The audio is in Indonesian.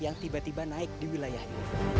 yang tiba tiba naik di wilayah ini